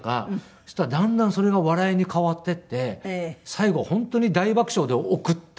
そしたらだんだんそれが笑いに変わっていって最後は本当に大爆笑で送ったんですよね。